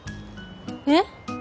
えっ？